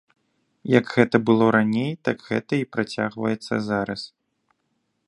Як гэта было раней, так гэта і працягваецца зараз.